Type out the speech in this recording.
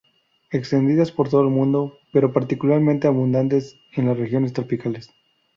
Extendidas por todo el mundo, pero particularmente abundantes en las regiones tropicales.